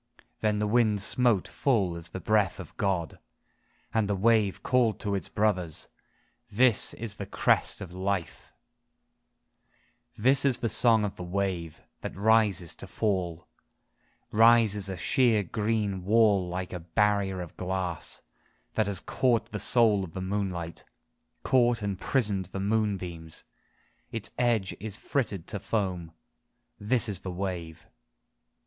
THE SONG OF THE WAVE Then the wind smote full as the breath of God, And the wave called to its brothers, "This is the crest of life 1" VI This is the song of the wave, that rises to fall, Rises a sheer green wall like a barrier of glass That has caught the soul of the moonlight, Caught and prisoned the moon beams ; Its edge is frittered to foam. This is the wave